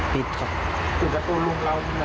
พี่คนลุง